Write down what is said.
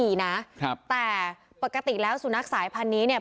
พี่บอกว่าเจ้าของเลี้ยงดูไม่ดีนะแต่ปกติแล้วสูนัขสายพันธุ์นี้เนี่ย